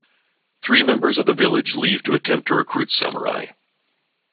Three members of the village leave to attempt to recruit samurai.